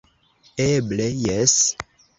Eble, jes!